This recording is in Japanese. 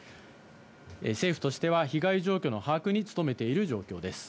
政府としては被害状況の把握に努めている状況です。